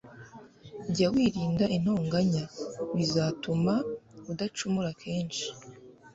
jya wirinda intonganya, bizatuma udacumura kenshi